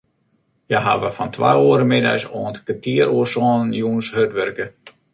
Hja hawwe fan twa oere middeis oant kertier oer sânen jûns hurd wurke.